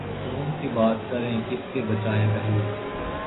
کون سی بات کریں کس سے بچائیں پہلو